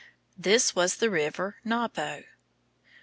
This was the river Napo.